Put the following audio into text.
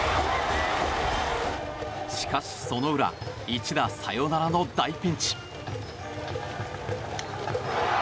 しかし、その裏一打サヨナラの大ピンチ。